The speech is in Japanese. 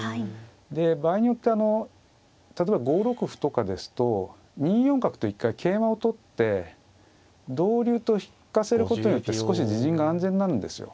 で場合によって例えば５六歩とかですと２四角と一回桂馬を取って同竜と引かせることによって少し自陣が安全になるんですよ。